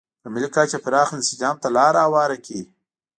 په ملي کچه پراخ انسجام ته لار هواره کړي.